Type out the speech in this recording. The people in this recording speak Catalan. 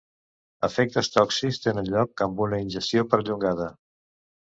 Efectes tòxics tenen lloc amb una ingestió perllongada.